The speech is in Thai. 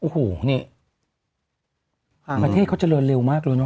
อ๋อหูนี้แผ่นที่เขาเจริญเร็วมากเลยเนอะ